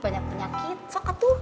banyak penyakit sakit tuh